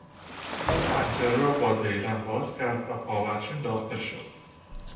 او پنجره را با دیلم باز کرد و پاورچین داخل شد.